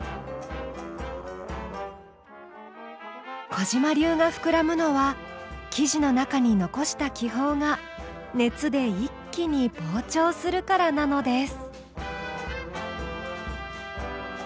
小嶋流が膨らむのは生地の中に残した気泡が熱で一気に膨張するからなのです。